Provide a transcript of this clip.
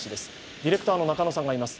ディレクターの中野さんがいます。